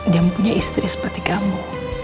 dia mempunyai istri seperti kamu